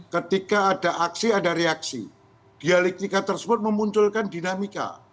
ketika ada aksi ada reaksi dialektika tersebut memunculkan dinamika